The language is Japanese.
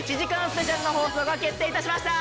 スペシャルの放送が決定致しました。